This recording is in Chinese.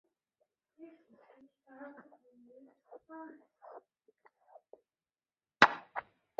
分数量子霍尔效应展示出朗道对称性破缺理论的局限性。